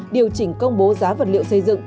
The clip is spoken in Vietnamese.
điều chỉnh công bố giá vật liệu xây dựng